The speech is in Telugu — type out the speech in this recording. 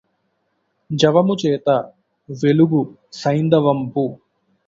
జవముచేత వెలుగు సైంధవంబు